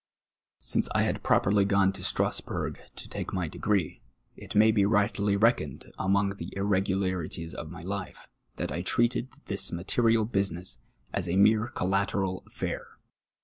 Since I had ])roperly gone to Strasburg to take my degree, it may be rightly reckoned among the iiTcgularities of my life, that I treated this material business as a mere collateral affair.